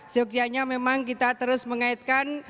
sekianya memang kita terus mengaitkan